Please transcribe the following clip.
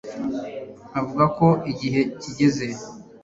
avuga ko igihe kigeze